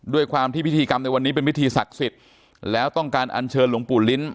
ด้วยความที่พิธีกรรมในวันนี้เป็นพิธีศักดิ์สิทธิ์แล้วต้องการอัญเชิญหลวงปู่ลิ้น